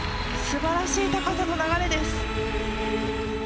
すばらしい高さと流れです。